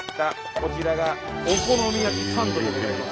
こちらがお好み焼きサンドでございます。